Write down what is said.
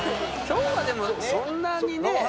今日はでもそんなにね。